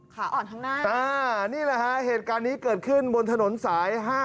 ขาอ่อนข้างหน้านี่แหละฮะเหตุการณ์นี้เกิดขึ้นบนถนนสาย๕๗